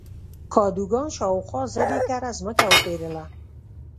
کادوګان شاوخوا زر ایکره ځمکه وپېرله.